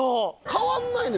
変わんないね